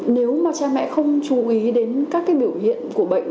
nếu mà cha mẹ không chú ý đến các cái biểu hiện của bệnh